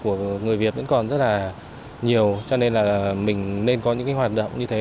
của người việt vẫn còn rất là nhiều cho nên là mình nên có những cái hoạt động như thế